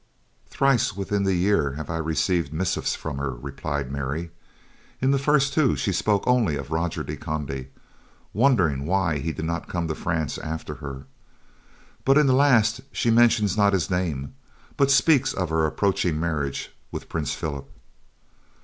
"Thrice within the year have I received missives from her," replied Mary. "In the first two she spoke only of Roger de Conde, wondering why he did not come to France after her; but in the last she mentions not his name, but speaks of her approaching marriage with Prince Philip."